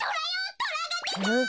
トラがでた！